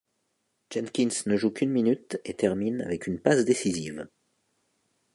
Jenkins ne joue qu'une minute et termine avec une passe décisive.